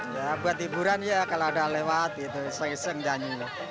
ya buat hiburan ya kalau ada lewat itu seseng seng janyi